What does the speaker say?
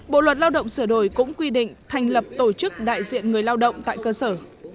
bộ luật lao động sửa đổi cũng quy định thành lập tổ chức đại diện người lao động tại cơ sở